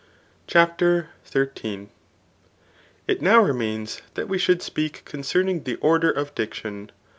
CHAPTER XUI. It now remains that we should speak concerning the order of dicticm.